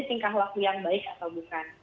ini tingkah laku yang baik atau bukan